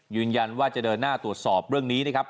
ยืนยันว่าจะเดินหน้าตรวจสอบเรื่องนี้นะครับ